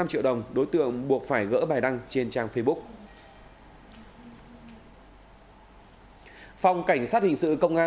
năm triệu đồng đối tượng buộc phải gỡ bài đăng trên trang facebook ở phòng cảnh sát hình sự công an